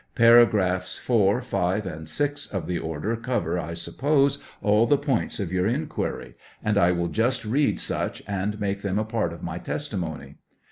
Paragraphs IV, V, and VI of the order cover, I sup pose, all the points of your inquiry, and I will just read such, and make them a part of my testimony.